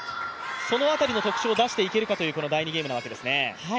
そのあたりの特徴を出していけるかという第２ゲームなわけですね。